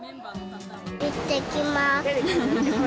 いってきます。